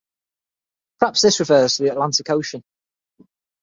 Perhaps this refers to the Atlantic Ocean.